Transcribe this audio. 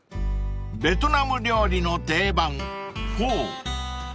［ベトナム料理の定番フォー］